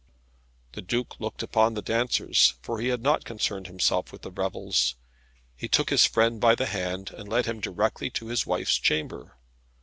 The Duke looked upon the dancers, for he had not concerned himself with the revels. He took his friend by the hand, and led him directly to his wife's chamber.